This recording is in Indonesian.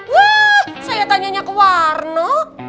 wah saya tanyanya ke warna